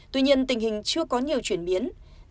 tuy nhiên tình hình chưa có nhiều chuyển biến